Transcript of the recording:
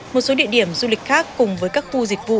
một số địa điểm du lịch khác cùng với các khu dịch vụ